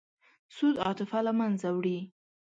سود عاطفه له منځه وړي.